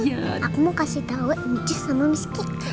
aku mau kasih tau aja sama miss kika